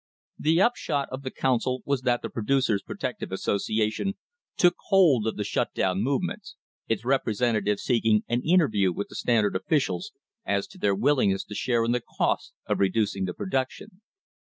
The upshot of the council was that the Producers' Protec tive Association took hold of the shut down movement, its representative seeking an interview with the Standard offi cials as to their willingness to share in the cost of reducing the production.